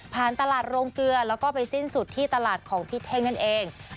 ตลาดโรงเกลือแล้วก็ไปสิ้นสุดที่ตลาดของพี่เท่งนั่นเอง